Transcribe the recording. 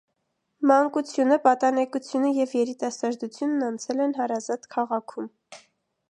Մանկությունը, պատանեկությունը և երիտասարդությունն անցել են հարազատ քաղաքում։